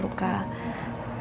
luka ringan aja